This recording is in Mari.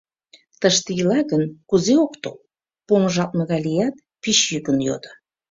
— Тыште ила гын, кузе ок тол? — помыжалтме гай лият, пич йӱкын йодо.